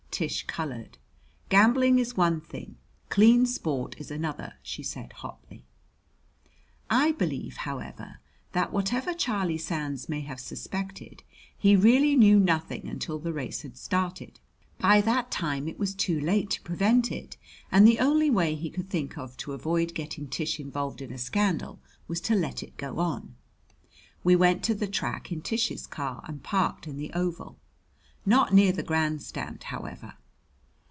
Tish colored. "Gambling is one thing, clean sport is another," she said hotly. I believe, however, that whatever Charlie Sands may have suspected, he really knew nothing until the race had started. By that time it was too late to prevent it, and the only way he could think of to avoid getting Tish involved in a scandal was to let it go on. We went to the track in Tish's car and parked in the oval. Not near the grandstand, however.